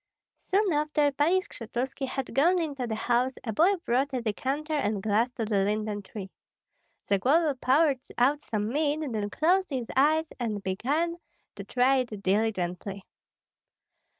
Soon after Pani Skshetuski had gone into the house a boy brought a decanter and glass to the linden tree. Zagloba poured out some mead, then closed his eyes and began to try it diligently.